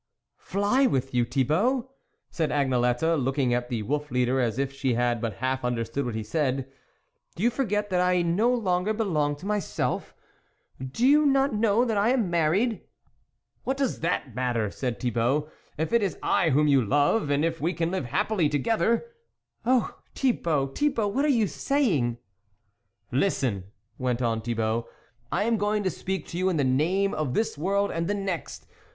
"Fly with you, Thibault!" said Agnelette, looking at the wolf leader as if she had but half understood what he said, " do you forget that I no longer be long to myself ? do you not know that I am married ?" "What does that matter," said Thi bault, " if it is I whom you love, and if we can live happily together !" "Oh! Thibault! Thibault! what are you saying !"" Listen," went on Thibault, " I am going to speak to you in the name of this world and the next.